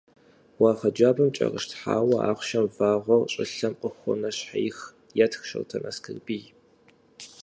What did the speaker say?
«Уафэ джабэм кӀэрыщтхьауэ Ахъшэм вагъуэр щӀылъэм къыхуонэщхъеих», - етх Шортэн Аскэрбий.